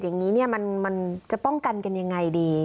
คืออุบัติเหตุอย่างนี้มันจะป้องกันกันอย่างไรดี